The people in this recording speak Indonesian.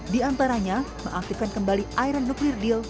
di antaranya mengaktifkan kembali iron nuclir deal